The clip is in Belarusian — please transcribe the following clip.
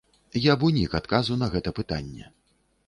Я б унік адказу на гэта пытанне.